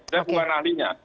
saya bukan ahlinya